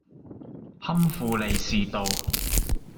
堪富利士道